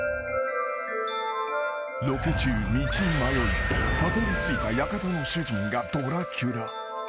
［ロケ中道に迷いたどり着いた館の主人がドラキュラ］